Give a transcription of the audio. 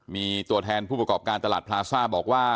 มีตัวแทนผู้ประกอบการตลาดพลาซ่าบอกว่า